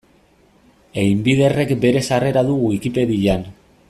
Einbinderrek bere sarrera du Wikipedian.